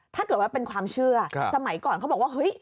ถ้าเกิดว่าเป็นความเชื่อสมัยก่อนเขาบอกว่าเฮ้ย